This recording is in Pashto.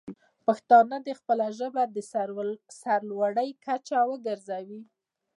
پښتانه دې خپله ژبه د سر لوړۍ کچه وګرځوي.